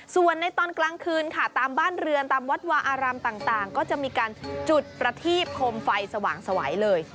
ส่วนในตอนกลางคืนค่ะตามบ้านเรือนตามวัดวาอารามต่างก็จะมีการจุดประทีบโคมไฟสว่างสวัยเลย